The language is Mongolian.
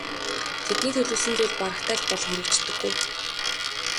Тэдний төлөвлөсөн зүйл барагтай л бол хэрэгждэггүй.